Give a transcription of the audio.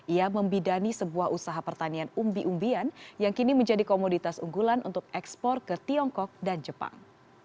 ia membidani sebuah usaha pertanian umbi umbian yang kini menjadi komoditas unggulan untuk ekspor ke tiongkok dan jepang